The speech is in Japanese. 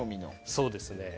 そうですね。